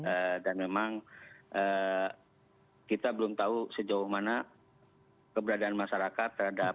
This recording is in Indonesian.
ee dan memang kita belum tahu sejauh mana keberadaan masyarakat terhadap